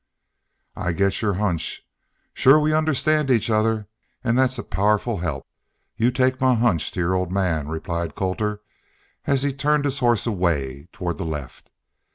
"I get your hunch. Shore we understand each other, an' thet's a powerful help. You take my hunch to your old man," replied Colter, as he turned his horse away toward the left.